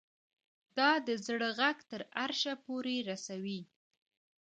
دا د زړه غږ تر عرشه پورې رسوي